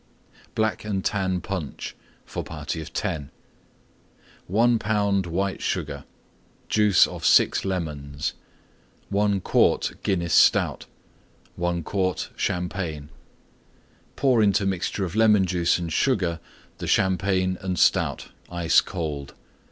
BLACK AND TAN PUNCH (For party of 10) 1 lb. white Sugar. Juice of 6 Lemons. 1 quart Guinness Stout. 1 quart Champagne. Pour into mixture of Lemon Juice and Sugar the Champagne and Stout, ice cold.